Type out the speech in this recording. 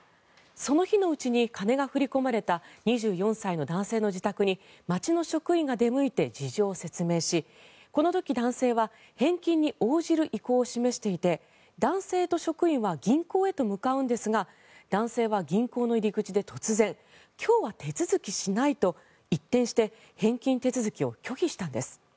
その日のうちに金が振り込まれた２４歳の男性の自宅に町の職員が出向いて事情を説明しこの時、男性は返金に応じる意向を示していて男性と職員は銀行へと向かうんですが男性は銀行の入り口で突然、今日は手続きしないと一転して返金手続きを拒否したんです。